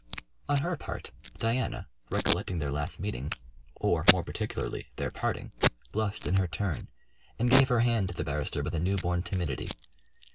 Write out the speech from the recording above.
On her part, Diana, recollecting their last meeting, or more particularly their parting, blushed in her turn, and gave her hand to the barrister with a new born timidity.